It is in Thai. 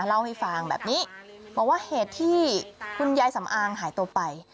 เล่าให้ฟังแบบนี้บอกว่าเหตุที่คุณยายสำอางหายตัวไป